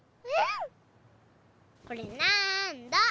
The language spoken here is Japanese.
これなんだ？